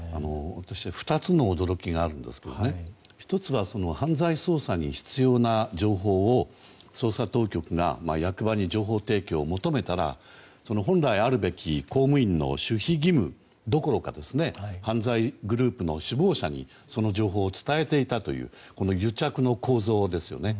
私、２つの驚きがあるんですけども１つは、犯罪捜査に必要な情報を捜査当局が役場に情報提供を求めたら本来あるべき公務員の守秘義務どころか犯罪グループの首謀者にその情報を伝えていたというこの癒着の構造ですね。